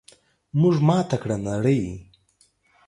موږ ماته کړه نړۍ!